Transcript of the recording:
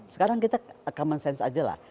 sekarang kita common sense aja lah